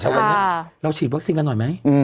แต่วันนี้เราฉีดวัคซีนกันหน่อยไหม